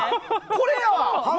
これやわ！